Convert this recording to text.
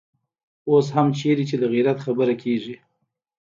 اوس هم چېرته چې د غيرت خبره کېږي.